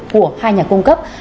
của hai nhà cung cấp